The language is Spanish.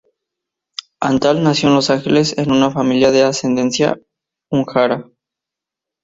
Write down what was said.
Antal nació en Los Ángeles en una familia de ascendencia húngara.